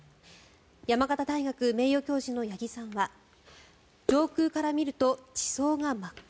山形大学名誉教授の八木さんは上空から見ると地層が真っ赤。